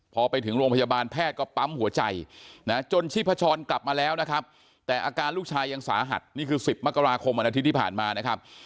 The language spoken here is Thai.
พอไปถึงโรงพยาบาลแพทย์ก็ปั๊มหัวใจนะจนชีพจรกลับมาแล้วนะครับแต่อาการลูกชายยังสาหัสนี่คือ๑๐มกราคมวันอาทิตย์ที่ผ่านมานะครับ